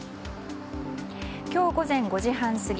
今日午前５時半過ぎ